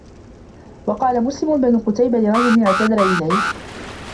وَقَالَ مُسْلِمُ بْنُ قُتَيْبَةَ لِرَجُلٍ اعْتَذَرَ إلَيْهِ